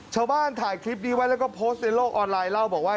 ชาวบ้านถ่ายคลิปนี้ไว้แล้วก็โพสต์ในโลกออนไลน์เล่าบอกว่า